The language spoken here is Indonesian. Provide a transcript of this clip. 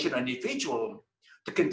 terus tumbuh adalah karena